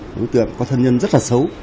đối tượng có thân nhân rất là xấu